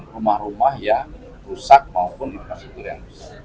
rumah rumah ya rusak maupun itu yang rusak